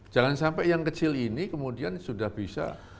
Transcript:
jangan sampai yang kecil ini kemudian sudah bisa